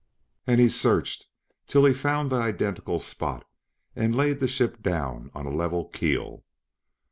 And he searched till he found the identical spot and laid the ship down on a level keel.